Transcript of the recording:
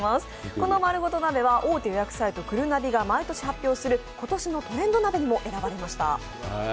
この、まるごと鍋は大手予約サイト、ぐるなびが毎年発表する今年のトレンド鍋にも選ばれました。